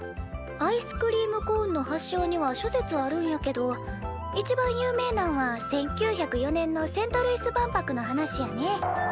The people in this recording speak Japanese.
アイスクリームコーンの発祥には諸説あるんやけど一番有名なんは１９０４年のセントルイス万博の話やね。